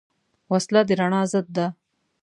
وسله د رڼا ضد ده